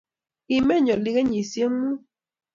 kimeny oli kenyishek mut